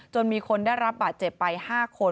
มีคนได้รับบาดเจ็บไป๕คน